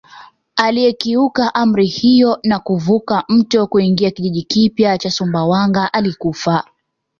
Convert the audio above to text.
Aliyekiuka amri hiyo na kuvuka mto kuingia kijiji kipya cha Sumbawanga alikufa